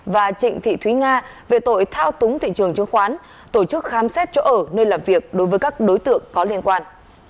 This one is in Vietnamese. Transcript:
và trịnh thị thúy nga về tội thao túng thị trường chứng khoán tổ chức khám xét chỗ ở nơi làm việc đối với các đối tượng có liên quan